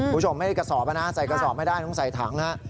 คุณผู้ชมไม่ได้กระสอบนะใส่กระสอบไม่ได้ต้องใส่ถังฮะ